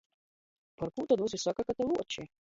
Parkū tod vysi soka, ka te luoči?